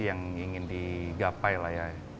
yang ingin digapai lah ya